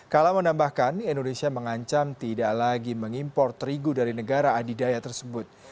kala menambahkan indonesia mengancam tidak lagi mengimpor terigu dari negara adidaya tersebut